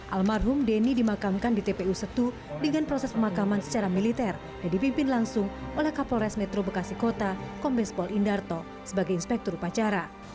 almarhum denny dimakamkan di tpu setu dengan proses pemakaman secara militer dan dipimpin langsung oleh kapolres metro bekasi kota kombes pol indarto sebagai inspektur upacara